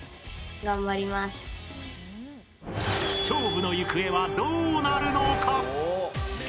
勝負の行方はどうなるのか。